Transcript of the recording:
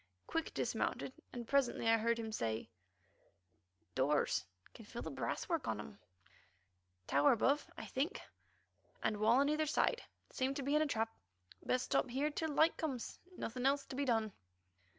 Quick dismounted, and presently I heard him say: "Doors. Can feel the brasswork on them. Tower above, I think, and wall on either side. Seem to be in a trap. Best stop here till light comes. Nothing else to be done."